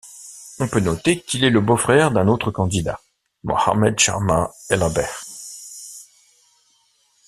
On peut noter qu'il est le beau-frère d'un autre candidat, Mohamed Djama Elabeh.